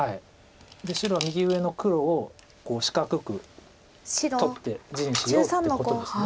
白は右上の黒を四角く取って地にしようってことです。